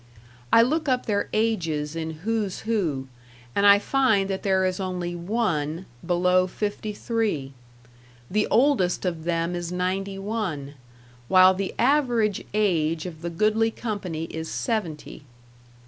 I look up their ages in Who's Who, and I find that there is only one below fifty three; the oldest of them is ninety one, while the average age of the goodly company is seventy.